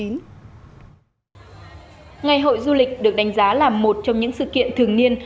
ngày hội du lịch được đánh giá là một trong những sự kiện thường niên